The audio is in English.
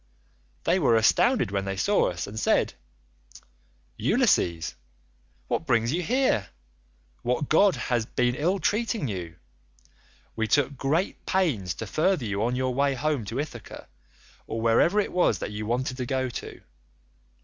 They were astounded when they saw us and said, 'Ulysses, what brings you here? What god has been ill treating you? We took great pains to further you on your way home to Ithaca, or wherever it was that you wanted to go to.